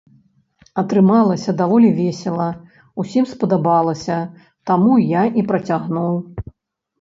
Атрымалася даволі весела, усім спадабалася, таму я і працягнуў.